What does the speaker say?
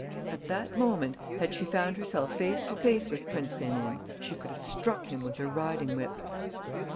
At that moment, had she found herself face to face with Prince Rénine, she could have struck him with her riding whip.